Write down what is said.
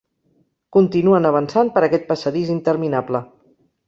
Continuen avançant per aquest passadís interminable.